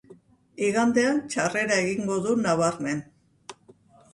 Igandean txarrera egingo du nabarmen.